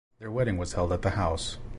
Their wedding was held at the house.